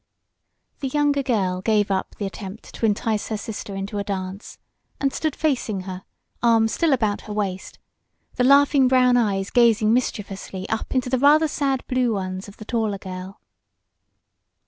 The younger girl gave up the attempt to entice her sister into a dance, and stood facing her, arm still about her waist, the laughing brown eyes gazing mischievously up into the rather sad blue ones of the taller girl.